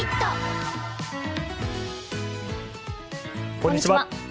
こんにちは。